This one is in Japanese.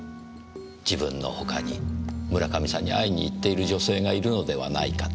自分の他に村上さんに会いに行っている女性がいるのではないかと。